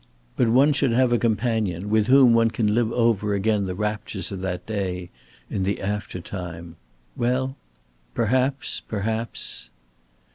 But one should have a companion with whom one can live over again the raptures of that day, in the after time. Well perhaps perhaps!